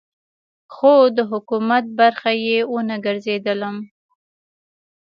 خو د حکومت برخه یې ونه ګرځېدلم.